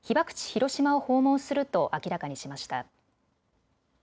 ・広島を訪問すると明らかにしました。